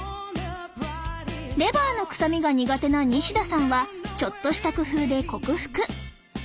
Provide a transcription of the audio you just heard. レバーの臭みが苦手な西田さんはちょっとした工夫で克服